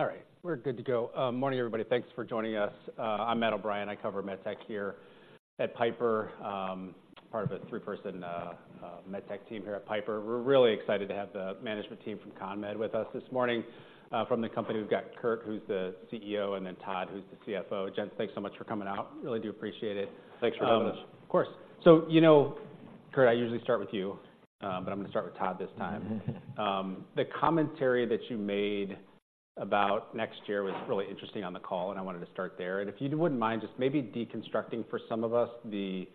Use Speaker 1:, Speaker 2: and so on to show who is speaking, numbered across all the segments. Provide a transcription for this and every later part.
Speaker 1: All right, we're good to go. Morning, everybody. Thanks for joining us. I'm Matt O'Brien. I cover MedTech here at Piper, part of a three-person MedTech team here at Piper. We're really excited to have the management team from CONMED with us this morning. From the company, we've got Curt, who's the CEO, and then Todd, who's the CFO. Gents, thanks so much for coming out. Really do appreciate it.
Speaker 2: Thanks for having us.
Speaker 1: Of course. So, you know, Curt, I usually start with you, but I'm gonna start with Todd this time. The commentary that you made about next year was really interesting on the call, and I wanted to start there. If you wouldn't mind just maybe deconstructing for some of us, the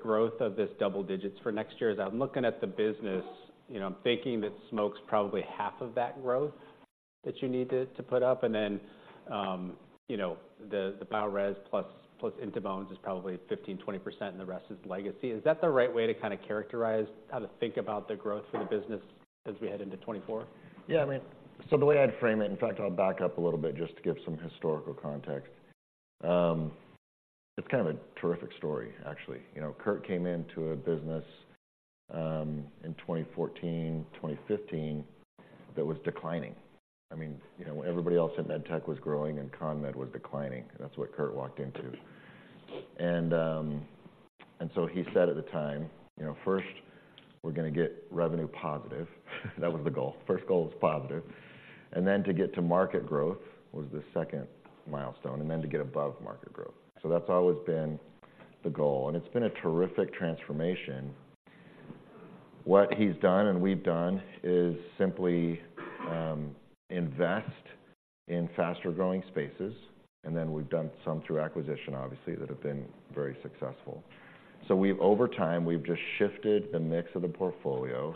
Speaker 1: growth of this double digits for next year. As I'm looking at the business, you know, I'm thinking that smoke's probably half of that growth that you need to put up. And then, you know, the Biorez plus In2Bones is probably 15% to 20%, and the rest is legacy. Is that the right way to kinda characterize how to think about the growth for the business as we head into 2024?
Speaker 2: Yeah, I mean, so the way I'd frame it. In fact, I'll back up a little bit just to give some historical context. It's kind of a terrific story, actually. You know, Curt came into a business in 2014, 2015, that was declining. I mean, you know, everybody else in MedTech was growing, and CONMED was declining. That's what Curt walked into. And so he said at the time, "You know, first, we're gonna get revenue positive." That was the goal. First goal was positive, and then to get to market growth was the second milestone, and then to get above market growth. So that's always been the goal, and it's been a terrific transformation. What he's done and we've done is simply invest in faster-growing spaces, and then we've done some through acquisition, obviously, that have been very successful. So over time, we've just shifted the mix of the portfolio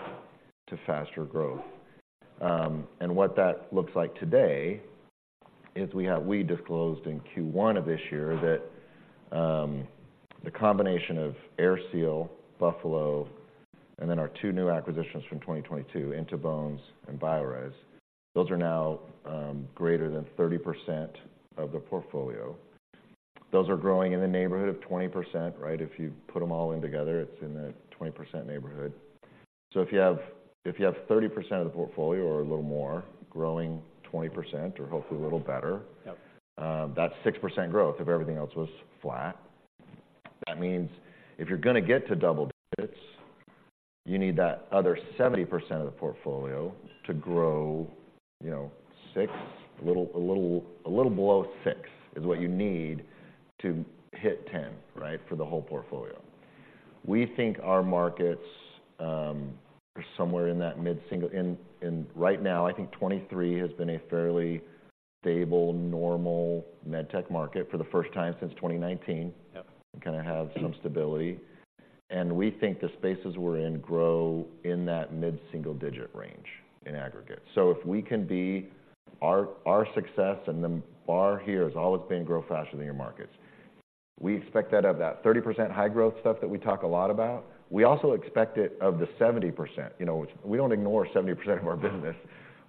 Speaker 2: to faster growth. And what that looks like today is we disclosed in first quarter of this year that the combination of AirSeal, Buffalo, and then our 2 new acquisitions from 2022, In2Bones and Biorez, those are now greater than 30% of the portfolio. Those are growing in the neighborhood of 20%, right? If you put them all in together, it's in the 20% neighborhood. So if you have 30% of the portfolio or a little more, growing 20% or hopefully a little better...
Speaker 1: Yep.
Speaker 2: That's 6% growth if everything else was flat. That means if you're gonna get to double digits, you need that other 70% of the portfolio to grow, you know, 6, a little, a little, a little below 6 is what you need to hit 10, right, for the whole portfolio. We think our markets are somewhere in that mid-single... Right now, I think 2023 has been a fairly stable, normal MedTech market for the first time since 2019.
Speaker 1: Yep.
Speaker 2: It kinda has some stability, and we think the spaces we're in grow in that mid-single-digit range in aggregate. So if we can be our success, and the bar here has always been grow faster than your markets. We expect that of that 30% high growth stuff that we talk a lot about. We also expect it of the 70%. You know, we don't ignore 70% of our business.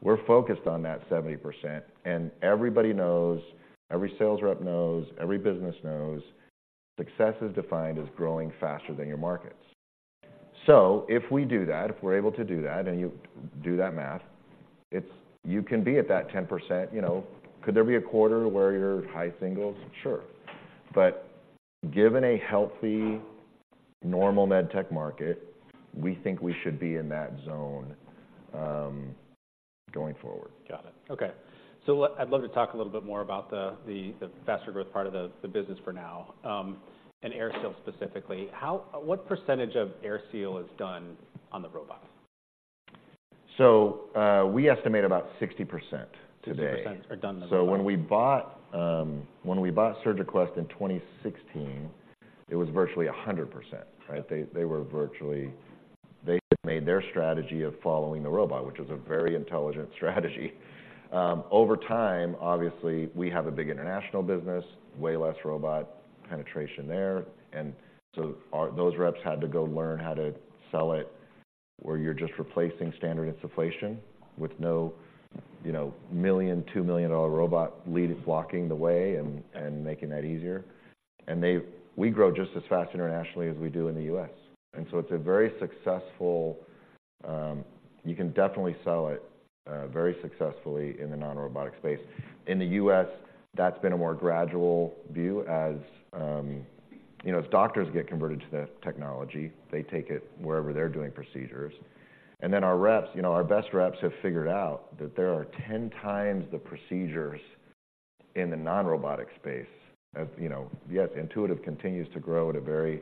Speaker 2: We're focused on that 70%, and everybody knows, every sales rep knows, every business knows, success is defined as growing faster than your markets. So if we do that, if we're able to do that, and you do that math, it's. You can be at that 10%, you know. Could there be a quarter where you're high singles? Sure. Given a healthy, normal MedTech market, we think we should be in that zone, going forward.
Speaker 1: Got it. Okay. So what I'd love to talk a little bit more about the faster growth part of the business for now, and AirSeal specifically. How... What percentage of AirSeal is done on the robot?
Speaker 2: We estimate about 60% today.
Speaker 1: 60% are done on the robot.
Speaker 2: So when we bought SurgiQuest in 2016, it was virtually 100%, right? They had made their strategy of following the robot, which was a very intelligent strategy. Over time, obviously, we have a big international business, way less robot penetration there, and so those reps had to go learn how to sell it, where you're just replacing standard insufflation with no, you know, $1 to 2 million-dollar robot lead blocking the way and making that easier. And we grow just as fast internationally as we do in the US. And so it's a very successful. You can definitely sell it very successfully in the non-robotic space. In the US, that's been a more gradual view as, you know, as doctors get converted to the technology, they take it wherever they're doing procedures. Then our reps, you know, our best reps have figured out that there are 10 times the procedures in the non-robotic space of, you know. Yes, Intuitive continues to grow at a very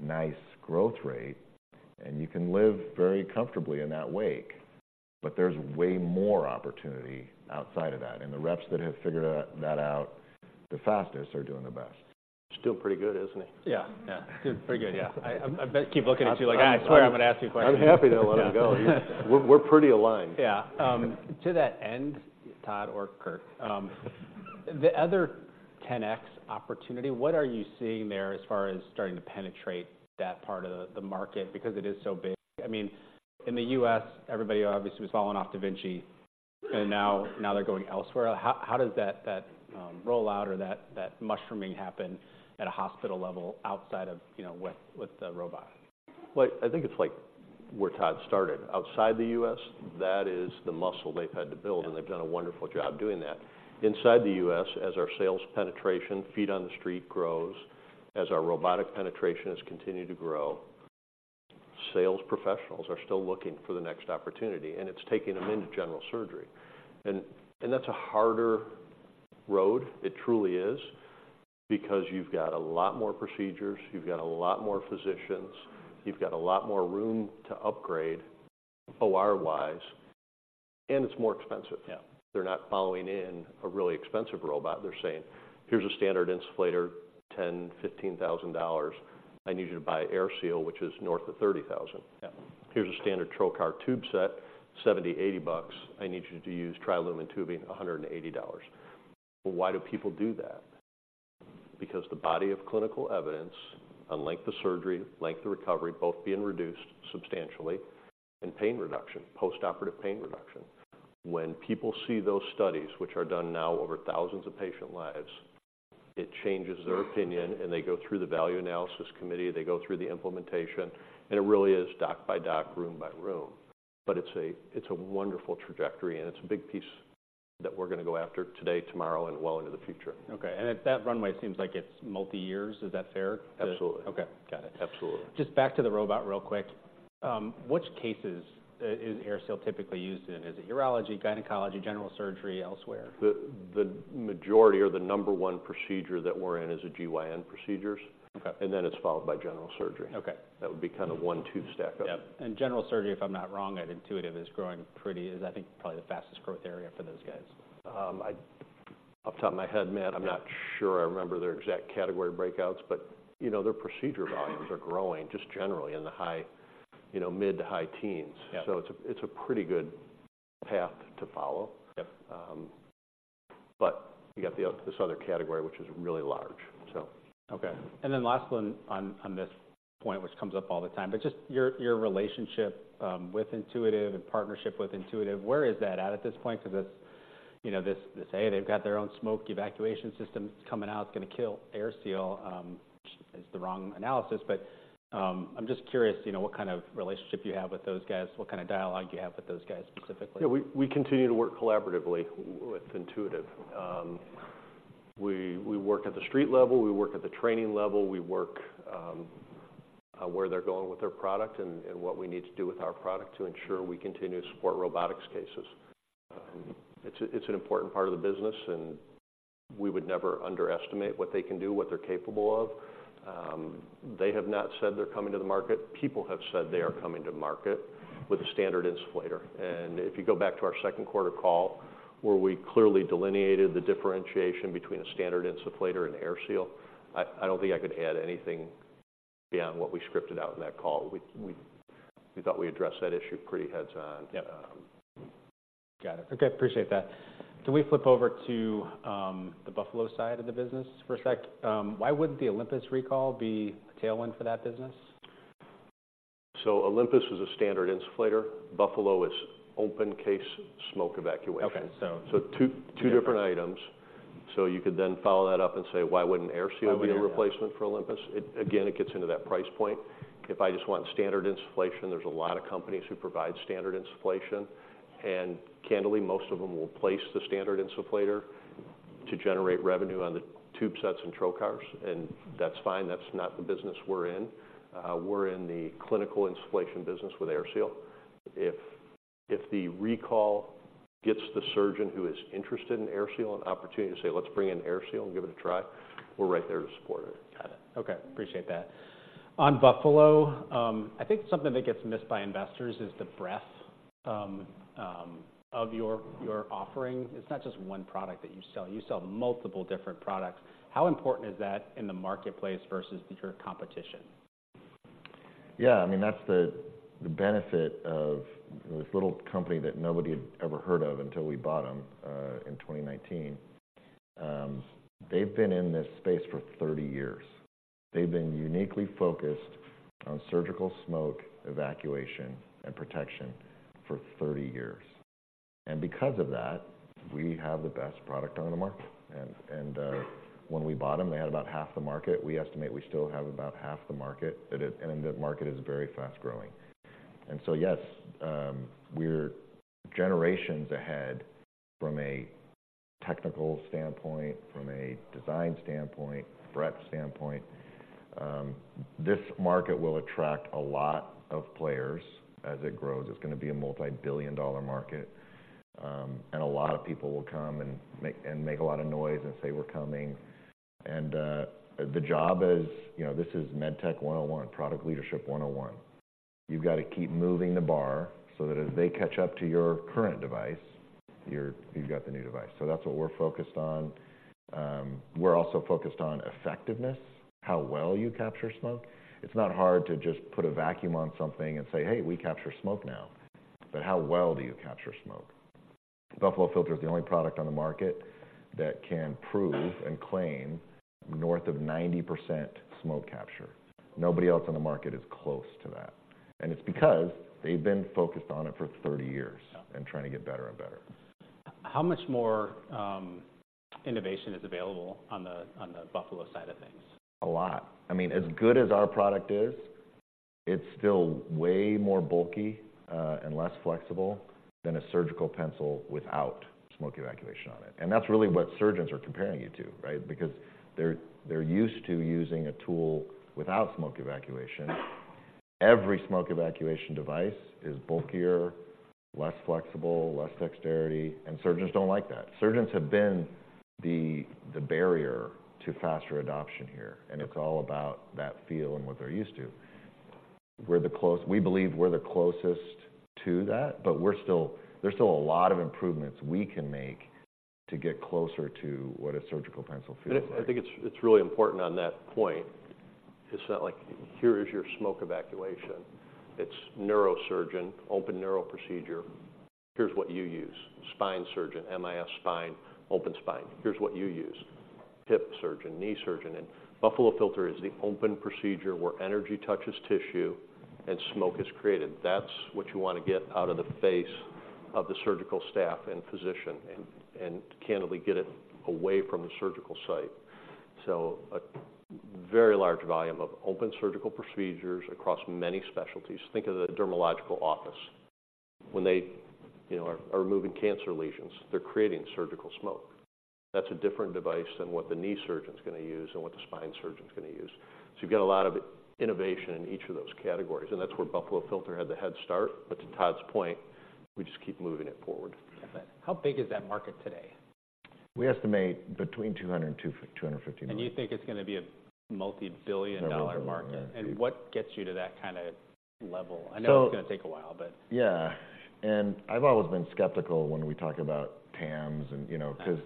Speaker 2: nice growth rate, and you can live very comfortably in that wake, but there's way more opportunity outside of that, and the reps that have figured that out the fastest are doing the best.
Speaker 3: Still pretty good, isn't he?
Speaker 1: Yeah. Yeah. Good. Pretty good, yeah. I bet keep looking at you like, "I swear I'm gonna ask you a question".
Speaker 2: I'm happy to let him go. We're pretty aligned.
Speaker 1: Yeah. To that end, Todd or Curt, the other 10x opportunity, what are you seeing there as far as starting to penetrate that part of the market? Because it is so big. I mean, in the US, everybody obviously was falling off da Vinci, and now they're going elsewhere. How does that rollout or that mushrooming happen at a hospital level outside of, you know, with the robot?
Speaker 3: Well, I think it's like where Todd started. Outside the US, that is the muscle they've had to build, and they've done a wonderful job doing that. Inside the US, as our sales penetration, feet on the street grows, as our robotic penetration has continued to grow, sales professionals are still looking for the next opportunity, and it's taking them into general surgery. And that's a harder road. It truly is, because you've got a lot more procedures, you've got a lot more physicians, you've got a lot more room to upgrade OR-wise, and it's more expensive.
Speaker 1: Yeah.
Speaker 3: They're not following in a really expensive robot. They're saying, "Here's a standard insufflator, $10,000 to 15,000. I need you to buy AirSeal, which is north of $30,000.
Speaker 1: Yeah.
Speaker 3: Here's a standard trocar tube set, $70 to 80. I need you to use Tri-Lumen tubing, $180." Well, why do people do that? Because the body of clinical evidence on length of surgery, length of recovery, both being reduced substantially, and pain reduction, postoperative pain reduction. When people see those studies, which are done now over thousands of patient lives, it changes their opinion, and they go through the Value Analysis Committee, they go through the implementation, and it really is doc by doc, room by room. But it's a, it's a wonderful trajectory, and it's a big piece that we're going to go after today, tomorrow, and well into the future.
Speaker 1: Okay, and at that runway, it seems like it's multi years. Is that fair to...
Speaker 3: Absolutely.
Speaker 1: Okay, got it.
Speaker 3: Absolutely.
Speaker 1: Just back to the robot real quick. Which cases is AirSeal typically used in? Is it urology, gynecology, general surgery, elsewhere?
Speaker 3: The majority or the number one procedure that we're in is the GYN procedures.
Speaker 1: Okay.
Speaker 3: It's followed by general surgery.
Speaker 1: Okay.
Speaker 3: That would be kind of one, two stack up.
Speaker 1: Yep, and general surgery, if I'm not wrong, at Intuitive, is growing pretty... Is, I think, probably the fastest growth area for those guys.
Speaker 3: Off the top of my head, Matt, I'm not sure I remember their exact category breakouts, but, you know, their procedure volumes are growing just generally in the high, you know, mid to high teens.
Speaker 1: Yeah.
Speaker 3: So it's a pretty good path to follow.
Speaker 1: Yep.
Speaker 3: But you got the other category, which is really large, so.
Speaker 1: Okay. And then last one on this point, which comes up all the time, but just your relationship with Intuitive and partnership with Intuitive, where is that at this point? Because it's, you know, this, "Hey, they've got their own smoke evacuation system coming out, it's going to kill AirSeal," is the wrong analysis. But, I'm just curious, you know, what kind of relationship you have with those guys, what kind of dialogue you have with those guys specifically?
Speaker 3: Yeah, we continue to work collaboratively with Intuitive. We work at the street level, we work at the training level, we work where they're going with their product and what we need to do with our product to ensure we continue to support robotics cases. It's an important part of the business, and we would never underestimate what they can do, what they're capable of. They have not said they're coming to the market. People have said they are coming to market with a standard insufflator. And if you go back to our second quarter call, where we clearly delineated the differentiation between a standard insufflator and AirSeal, I don't think I could add anything beyond what we scripted out in that call. We thought we addressed that issue pretty head on.
Speaker 1: Yep.
Speaker 3: Um...
Speaker 1: Got it. Okay, appreciate that. Can we flip over to the Buffalo side of the business for a sec? Why wouldn't the Olympus recall be a tailwind for that business?
Speaker 3: Olympus was a standard insufflator. Buffalo is open case smoke evacuation.
Speaker 1: Okay, so...
Speaker 3: Two different items. You could then follow that up and say, why wouldn't AirSeal be a replacement for Olympus?
Speaker 1: Yeah.
Speaker 3: Again, it gets into that price point. If I just want standard insufflation, there's a lot of companies who provide standard insufflation, and candidly, most of them will place the standard insufflator to generate revenue on the tube sets and trocars, and that's fine. That's not the business we're in. We're in the clinical insufflation business with AirSeal. If, if the recall gets the surgeon who is interested in AirSeal an opportunity to say, "Let's bring in AirSeal and give it a try," we're right there to support it.
Speaker 1: Got it. Okay, appreciate that. On Buffalo, I think something that gets missed by investors is the breadth of your offering. It's not just one product that you sell. You sell multiple different products. How important is that in the marketplace versus your competition?
Speaker 3: Yeah, I mean, that's the benefit of this little company that nobody had ever heard of until we bought them in 2019. They've been in this space for 30 years. They've been uniquely focused on surgical smoke evacuation and protection for 30 years, and because of that, we have the best product on the market. And when we bought them, they had about half the market. We estimate we still have about half the market, and the market is very fast-growing. And so, yes, we're generations ahead from a technical standpoint, from a design standpoint, breadth standpoint. This market will attract a lot of players as it grows. It's going to be a multibillion-dollar market, and a lot of people will come and make a lot of noise and say, "We're coming." And the job is... You know, this is MedTech 101, product leadership 101. You've got to keep moving the bar so that as they catch up to your current device, you're, you've got the new device. So that's what we're focused on. We're also focused on effectiveness, how well you capture smoke. It's not hard to just put a vacuum on something and say, "Hey, we capture smoke now." But how well do you capture smoke? Buffalo Filter is the only product on the market that can prove and claim north of 90% smoke capture. Nobody else on the market is close to that, and it's because they've been focused on it for 30 years...
Speaker 1: Yeah
Speaker 3: And trying to get better and better.
Speaker 1: How much more innovation is available on the, on the Buffalo side of things?
Speaker 2: A lot. I mean, as good as our product is, it's still way more bulky and less flexible than a surgical pencil without smoke evacuation on it. And that's really what surgeons are comparing it to, right? Because they're used to using a tool without smoke evacuation. Every smoke evacuation device is bulkier, less flexible, less dexterity, and surgeons don't like that. Surgeons have been the barrier to faster adoption here, and it's all about that feel and what they're used to. We're the close we believe we're the closest to that, but we're still there's still a lot of improvements we can make to get closer to what a surgical pencil feels like.
Speaker 3: I think it's really important on that point. It's not like: here is your smoke evacuation. It's neurosurgeon, open neuro procedure, here's what you use. Spine surgeon, MIS spine, open spine, here's what you use. Hip surgeon, knee surgeon, and Buffalo Filter is the open procedure where energy touches tissue and smoke is created. That's what you want to get out of the face of the surgical staff and physician, and candidly get it away from the surgical site. So a very large volume of open surgical procedures across many specialties. Think of the dermatological office. When they, you know, are removing cancer lesions, they're creating surgical smoke. That's a different device than what the knee surgeon's going to use and what the spine surgeon's going to use. So you've got a lot of innovation in each of those categories, and that's where Buffalo Filter had the head start. But to Todd's point, we just keep moving it forward.
Speaker 1: How big is that market today?
Speaker 2: We estimate between $200 million and $250 million.
Speaker 1: You think it's going to be a multi-billion-dollar market?
Speaker 2: Several billion, yeah.
Speaker 1: What gets you to that kind of level?
Speaker 2: So...
Speaker 1: I know it's going to take a while, but...
Speaker 2: Yeah. And I've always been skeptical when we talk about TAMs and, you know...
Speaker 1: Yeah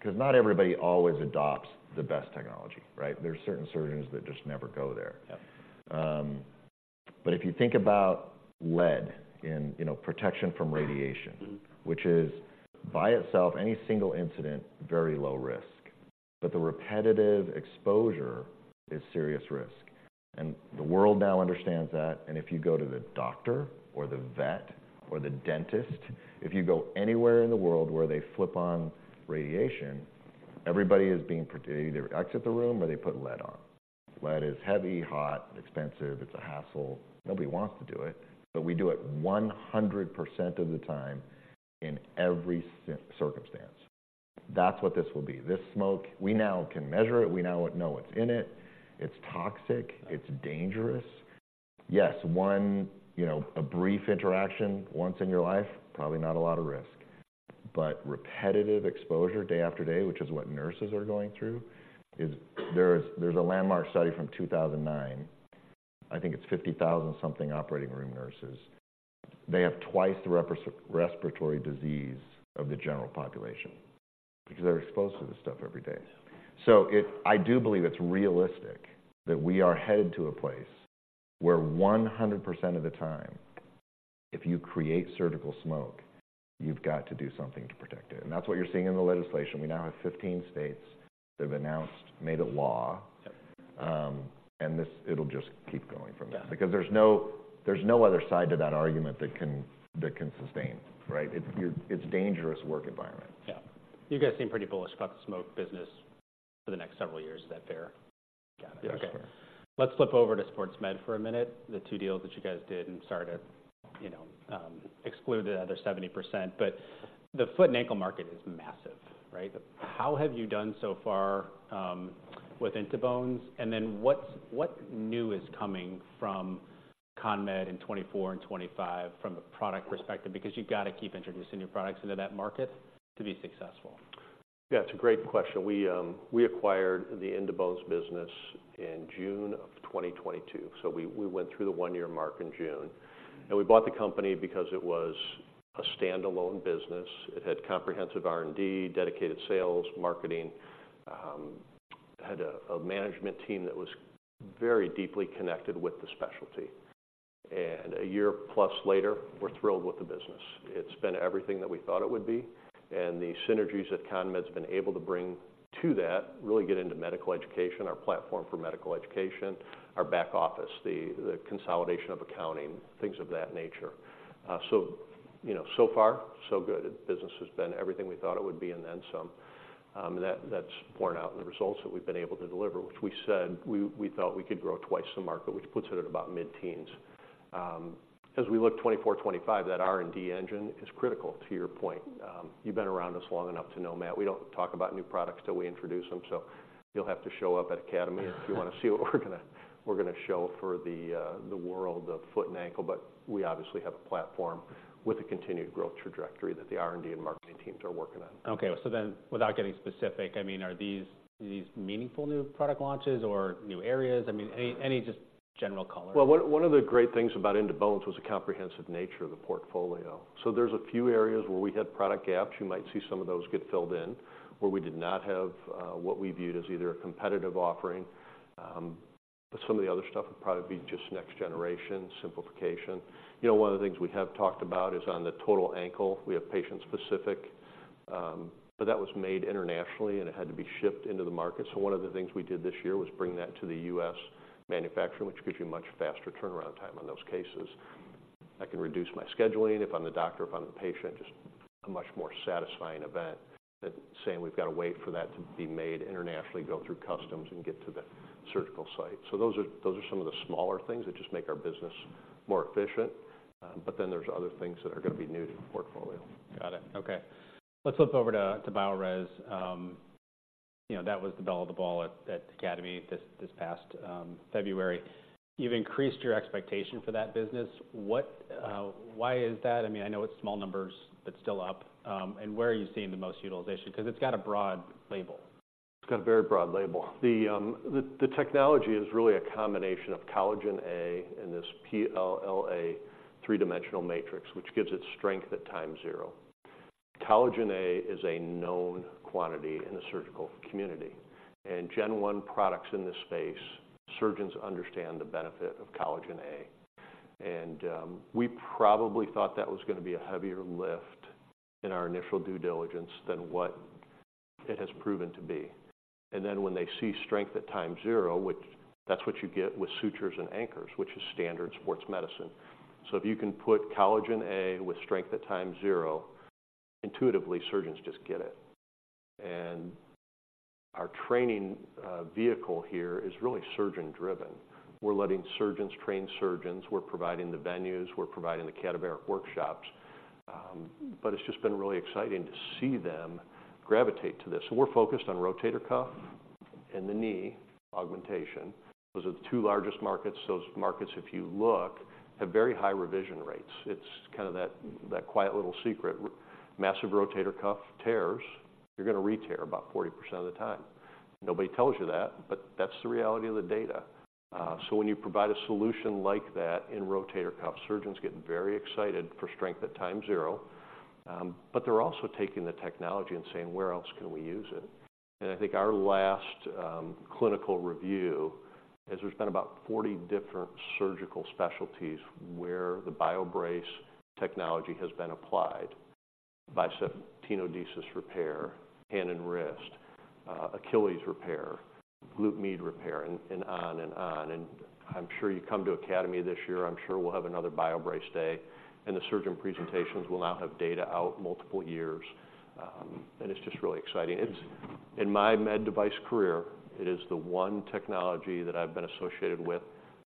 Speaker 2: 'Cause not everybody always adopts the best technology, right? There are certain surgeons that just never go there.
Speaker 1: Yeah.
Speaker 2: But if you think about lead in, you know, protection from radiation...
Speaker 1: Mm-hmm
Speaker 2: Which is by itself, any single incident, very low risk, but the repetitive exposure is serious risk, and the world now understands that. And if you go to the doctor or the vet or the dentist, if you go anywhere in the world where they flip on radiation, everybody is being protected. They either exit the room, or they put lead on. Lead is heavy, hot, expensive, it's a hassle. Nobody wants to do it, but we do it 100% of the time in every circumstance. That's what this will be. This smoke, we now can measure it. We now know what's in it. It's toxic.
Speaker 1: Yeah.
Speaker 2: It's dangerous. Yes, one, you know, a brief interaction once in your life, probably not a lot of risk. But repetitive exposure day after day, which is what nurses are going through, is. There's a landmark study from 2009. I think it's 50,000 something operating room nurses. They have twice the respiratory disease of the general population because they're exposed to this stuff every day.
Speaker 1: Yeah.
Speaker 2: So I do believe it's realistic that we are headed to a place where 100% of the time, if you create surgical smoke, you've got to do something to protect it. And that's what you're seeing in the legislation. We now have 15 states that have announced, made it law.
Speaker 1: Yep.
Speaker 2: This, it'll just keep going from there.
Speaker 1: Yeah.
Speaker 2: Because there's no other side to that argument that can sustain, right? It's dangerous work environment.
Speaker 1: Yeah. You guys seem pretty bullish about the smoke business for the next several years. Is that fair?
Speaker 2: Yeah.
Speaker 1: Okay. Let's flip over to sports med for a minute, the two deals that you guys did and started to, you know, exclude the other 70%. But the foot and ankle market is massive, right? How have you done so far with In2Bones? And then what's what new is coming from CONMED in 2024 and 2025 from a product perspective? Because you've got to keep introducing new products into that market to be successful.
Speaker 3: Yeah, it's a great question. We acquired the In2Bones business in June 2022, so we went through the one-year mark in June. And we bought the company because it was a standalone business. It had comprehensive R&D, dedicated sales, marketing, had a management team that was very deeply connected with the specialty. And a year plus later, we're thrilled with the business. It's been everything that we thought it would be, and the synergies that CONMED's been able to bring to that really get into medical education, our platform for medical education, our back office, the consolidation of accounting, things of that nature. So you know, so far, so good. The business has been everything we thought it would be and then some. And that, that's borne out in the results that we've been able to deliver, which we said we, we thought we could grow twice the market, which puts it at about mid-teens. As we look 2024, 2025, that R&D engine is critical, to your point. You've been around us long enough to know, Matt, we don't talk about new products till we introduce them, so you'll have to show up at Academy... if you want to see what we're gonna, we're gonna show for the, the world of foot and ankle. But we obviously have a platform with a continued growth trajectory that the R&D and marketing teams are working on.
Speaker 1: Okay. So then, without getting specific, I mean, are these meaningful new product launches or new areas? I mean, any just general color?
Speaker 3: Well, one of the great things about In2Bones was the comprehensive nature of the portfolio. So there's a few areas where we had product gaps. You might see some of those get filled in, where we did not have what we viewed as either a competitive offering, but some of the other stuff would probably be just next generation simplification. You know, one of the things we have talked about is on the total ankle, we have patient-specific, but that was made internationally, and it had to be shipped into the market. So one of the things we did this year was bring that to the US manufacturing, which gives you a much faster turnaround time on those cases. I can reduce my scheduling if I'm the doctor, if I'm the patient, just a much more satisfying event than saying we've got to wait for that to be made internationally, go through customs, and get to the surgical site. So those are, those are some of the smaller things that just make our business more efficient. But then there's other things that are going to be new to the portfolio.
Speaker 1: Got it. Okay. Let's flip over to Biorez. You know, that was the belle of the ball at Academy this past February. You've increased your expectation for that business. What... Why is that? I mean, I know it's small numbers, but still up. And where are you seeing the most utilization? Because it's got a broad label.
Speaker 3: It's got a very broad label. The technology is really a combination of Collagen I and this PLLA three-dimensional matrix, which gives it strength at time zero. Collagen I is a known quantity in the surgical community, and Gen 1 products in this space, surgeons understand the benefit of Collagen I. And we probably thought that was going to be a heavier lift in our initial due diligence than what it has proven to be. And then, when they see strength at time zero, which that's what you get with sutures and anchors, which is standard sports medicine. So if you can put Collagen I with strength at time zero, intuitively, surgeons just get it. And our training vehicle here is really surgeon-driven. We're letting surgeons train surgeons. We're providing the venues, we're providing the cadaveric workshops, but it's just been really exciting to see them gravitate to this. So we're focused on rotator cuff and the knee augmentation. Those are the two largest markets. Those markets, if you look, have very high revision rates. It's kind of that, that quiet little secret. Massive rotator cuff tears, you're going to re-tear about 40% of the time. Nobody tells you that, but that's the reality of the data. So when you provide a solution like that in rotator cuff, surgeons get very excited for strength at time zero. But they're also taking the technology and saying: "Where else can we use it?" And I think our last clinical review is, there's been about 40 different surgical specialties where the BioBrace technology has been applied. Biceps tenodesis repair, hand and wrist, Achilles repair, glute med repair, and on and on. And I'm sure you come to Academy this year, I'm sure we'll have another BioBrace day, and the surgeon presentations will now have data out multiple years. And it's just really exciting. It's. In my med device career, it is the one technology that I've been associated with,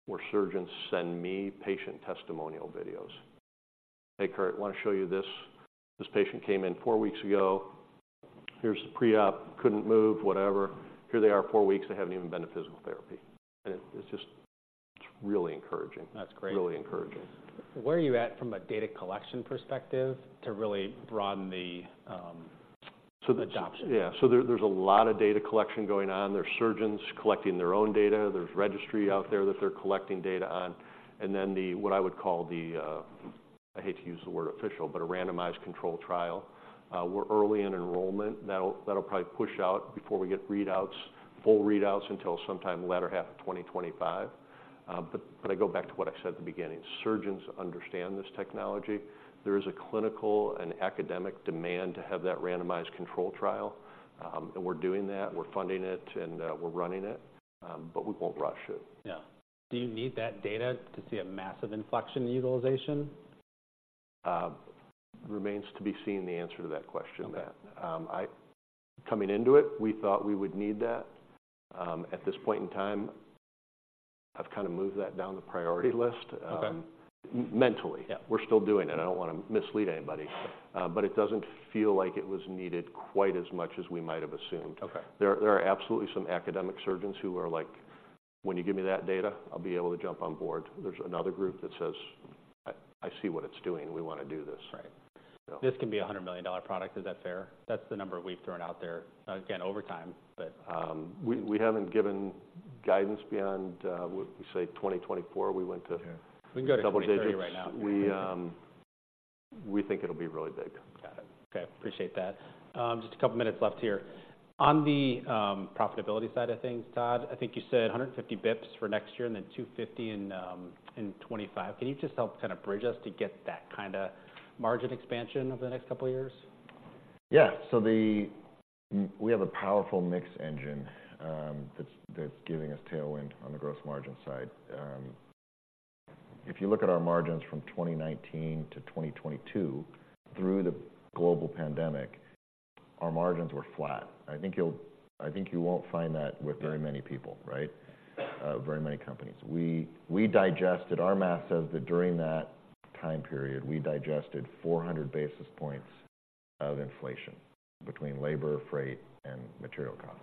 Speaker 3: where surgeons send me patient testimonial videos. "Hey, Curt, I want to show you this. This patient came in four weeks ago. Here's the pre-op, couldn't move," whatever. "Here they are, four weeks, they haven't even been to physical therapy." And it, it's just really encouraging.
Speaker 1: That's great.
Speaker 3: Really encouraging.
Speaker 1: Where are you at from a data collection perspective to really broaden the, adoption?
Speaker 3: Yeah. So there, there's a lot of data collection going on. There's surgeons collecting their own data, there's registry out there that they're collecting data on, and then the, what I would call the, I hate to use the word official, but a randomized controlled trial. We're early in enrollment. That'll probably push out before we get readouts, full readouts, until sometime latter half of 2025. But I go back to what I said at the beginning: Surgeons understand this technology. There is a clinical and academic demand to have that randomized control trial, and we're doing that. We're funding it, and we're running it, but we won't rush it.
Speaker 1: Yeah. Do you need that data to see a massive inflection in utilization?
Speaker 3: Remains to be seen, the answer to that question.
Speaker 1: Okay.
Speaker 3: Coming into it, we thought we would need that. At this point in time, I've kind of moved that down the priority list.
Speaker 1: Okay
Speaker 3: Mentally.
Speaker 1: Yeah.
Speaker 3: We're still doing it. I don't want to mislead anybody, but it doesn't feel like it was needed quite as much as we might have assumed.
Speaker 1: Okay.
Speaker 3: There are absolutely some academic surgeons who are like, "When you give me that data, I'll be able to jump on board." There's another group that says, "I, I see what it's doing, we want to do this.
Speaker 1: Right.
Speaker 3: You know?
Speaker 1: This can be a $100 million product. Is that fair? That's the number we've thrown out there, again, over time, but...
Speaker 3: We haven't given guidance beyond what we say 2024, we went to...
Speaker 1: Yeah. We can go to 2020 right now.
Speaker 3: Double digits. We, we think it'll be really big.
Speaker 1: Got it. Okay, appreciate that. Just a couple of minutes left here. On the profitability side of things, Todd, I think you said 150 basis points for next year and then 250 in 2025. Can you just help kind of bridge us to get that kind of margin expansion over the next couple of years?
Speaker 3: Yeah. We have a powerful mix engine that's giving us tailwind on the gross margin side. If you look at our margins from 2019 to 2022, through the global pandemic, our margins were flat. I think you won't find that with very many people, right? Very many companies. Our math says that during that time period, we digested 400 basis points of inflation between labor, freight, and material costs,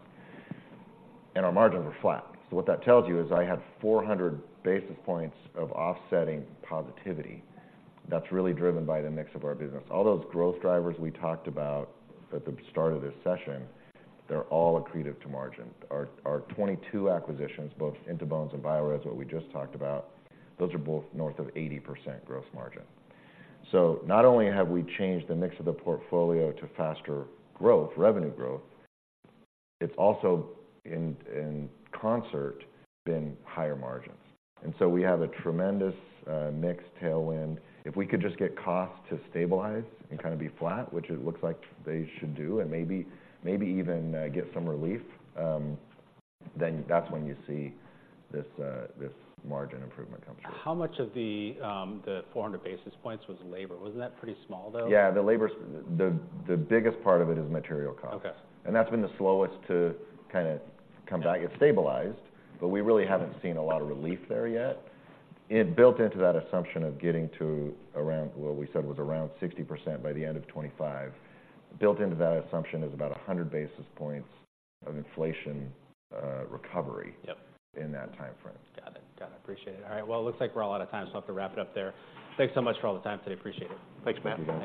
Speaker 3: and our margins were flat. So, what that tells you is I had 400 basis points of offsetting positivity that's really driven by the mix of our business. All those growth drivers we talked about at the start of this session, they're all accretive to margin. Our 22 acquisitions, both In2Bones and Biorez, what we just talked about, those are both north of 80% gross margin. So not only have we changed the mix of the portfolio to faster growth, revenue growth, it's also, in, in concert, been higher margins. And so we have a tremendous mix tailwind. If we could just get costs to stabilize and kind of be flat, which it looks like they should do, and maybe, maybe even get some relief, then that's when you see this margin improvement come through.
Speaker 1: How much of the 400 basis points was labor? Wasn't that pretty small, though?
Speaker 3: Yeah, the biggest part of it is material costs.
Speaker 1: Okay.
Speaker 3: That's been the slowest to kind of come back. It stabilized, but we really haven't seen a lot of relief there yet. It built into that assumption of getting to around what we said was around 60% by the end of 2025. Built into that assumption is about 100 basis points of inflation, recovery...
Speaker 1: Yep
Speaker 3: In that timeframe.
Speaker 1: Got it. Got it. Appreciate it. All right, well, it looks like we're all out of time, so I'll have to wrap it up there. Thanks so much for all the time today. Appreciate it.
Speaker 3: Thanks, Matt.
Speaker 1: Thank you, guys.